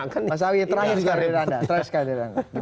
mas awie terangin juga